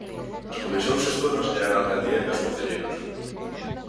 As comisións xestoras eran a Alcaldía e os concelleiros.